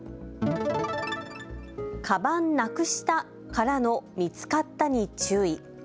かばんなくしたからの見つかったに注意。